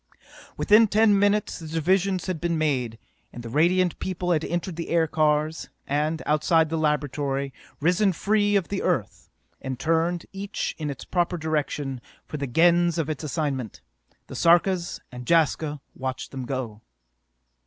Within ten minutes the divisions had been made, and the Radiant People had entered the aircars and, outside the laboratory, risen free of the Earth, and turned, each in its proper direction, for the Gens of its assignment. The Sarkas and Jaska watched them go.